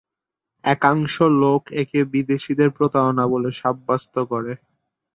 একাংশ লোক একে বিদেশীদের প্রতারণা বলে সাব্যস্ত করে।